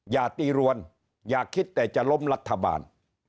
อย่าตีรวนอย่าคิดแต่จะล้มรัฐบาล